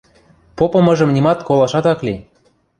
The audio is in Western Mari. Попымыжым нимат колашат ак ли.